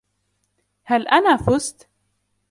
هل أنا فُزت؟